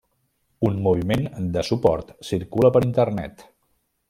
Un moviment de suport circula per internet.